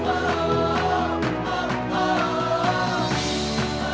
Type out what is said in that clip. aku akan bahagia